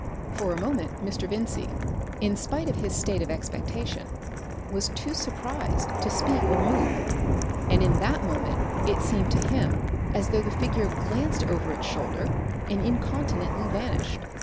For a moment Mr. Vincey, in spite of his state of expectation, was too surprised to speak or move, and in that moment it seemed to him as though the figure glanced over its shoulder and incontinently vanished.